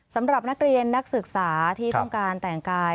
สำหรับนักเรียนนักศึกษาที่ต้องการแต่งกาย